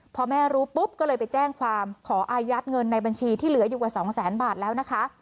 พอแม่รู้ปุ๊บก็เลยไปแจ้งความขออายัดเงินในบัญชีที่เหลืออยู่กว่าสองแสนบาทแล้วนะคะ